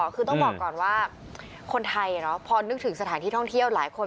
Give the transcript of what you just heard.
คือต้องบอกก่อนว่าคนไทยพอนึกถึงสถานที่ท่องเที่ยวหลายคน